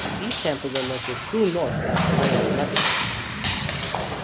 These samples are marked for true north at the time of collection.